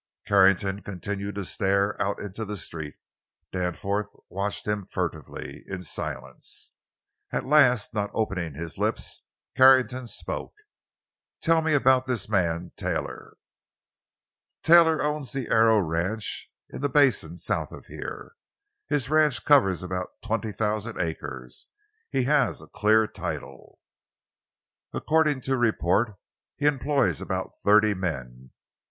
Carrington continued to stare out into the street. Danforth watched him furtively, in silence. At last, not opening his lips, Carrington spoke: "Tell me about this man, Taylor." "Taylor owns the Arrow ranch, in the basin south of here. His ranch covers about twenty thousand acres. He has a clear title. "According to report, he employs about thirty men.